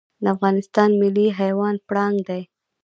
د افغانستان ملي حیوان پړانګ دی